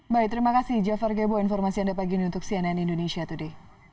baik terima kasih jafar gebo informasi yang dipakai untuk cnn indonesia today